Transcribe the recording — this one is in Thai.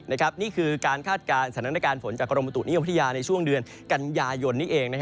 นี่คือการคาดการณ์สถานการณ์ฝนจากกรมประตุนิยมพัทยาในช่วงเดือนกันยายนนี้เอง